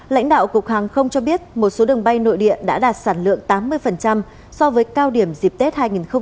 lãnh đạo cục hàng không cho biết một số đường bay nội địa đã đạt sản lượng tám mươi so với cao điểm dịp tết hai nghìn hai mươi ba